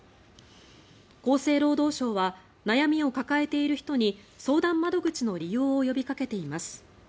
厚生労働省は悩みを抱えている人に相談窓口の利用を呼びかけています。